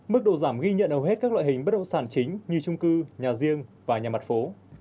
mức độ giảm ghi nhận hầu hết các loại hình bất động sản chính như trung cư nhà riêng và nhà mặt phố